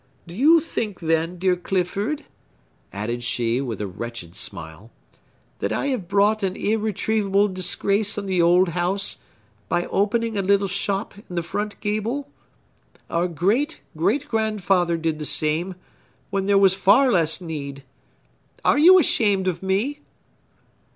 Do you think, then, dear Clifford," added she, with a wretched smile, "that I have brought an irretrievable disgrace on the old house, by opening a little shop in the front gable? Our great great grandfather did the same, when there was far less need! Are you ashamed of me?"